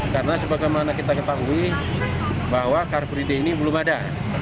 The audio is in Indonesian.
karena sebagaimana kita ketahui bahwa carpre d ini belum ada